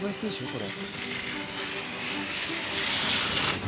これ。